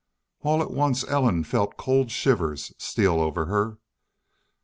All at once Ellen felt cold shivers steal over her.